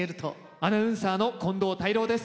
アナウンサーの近藤泰郎です。